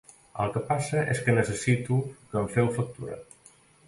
El que passa és que necessito que em feu factura.